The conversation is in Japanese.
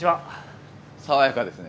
さわやかですね。